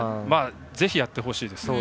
ぜひやってほしいですね。